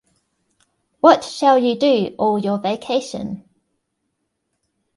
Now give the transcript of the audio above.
What shall you do all your vacation?